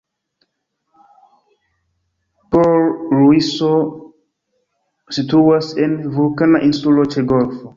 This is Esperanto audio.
Port-Luiso situas en vulkana insulo ĉe golfo.